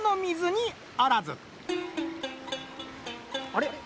あれ？